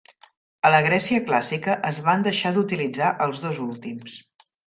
A la Grècia Clàssica es van deixar d'utilitzar els dos últims.